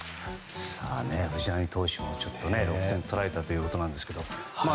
藤浪投手も６点取られたということなんですけど。